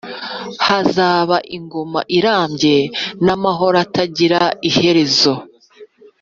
Hazaba ingoma irambye n’amahoro atagira iherezo,